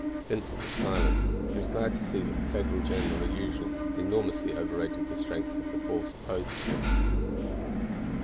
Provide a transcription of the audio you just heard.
Vincent was silent. He was glad to see that the Federal general, as usual, enormously overrated the strength of the force opposed to him.